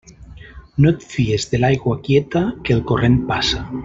No et fies de l'aigua quieta, que el corrent passa.